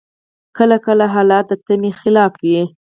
کله کله حالات د تمي خلاف وي.